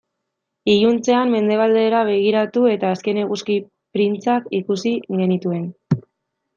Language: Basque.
Iluntzean mendebaldera begiratu eta azken eguzki printzak ikusi genituen.